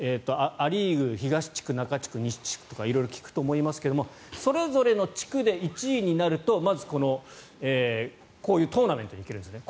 ア・リーグ東地区、中地区、西地区とか色々聞くと思いますがそれぞれの地区で１位になるとまずこういうトーナメントに行けるんですね。